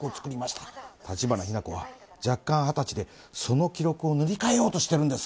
橘日名子は弱冠二十歳でその記録を塗り替えようとしてるんです。